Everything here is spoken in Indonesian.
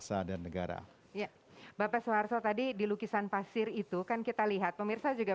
jangan lupa untuk berikan duit kepada tuhan